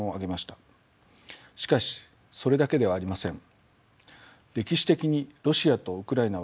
しかしそれだけではありません。